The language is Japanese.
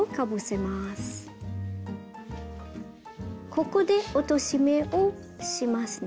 ここで落とし目をしますね。